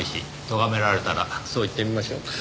とがめられたらそう言ってみましょう。